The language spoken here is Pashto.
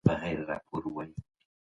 استاد وویل چې سرتیري لاره ورکه کړه.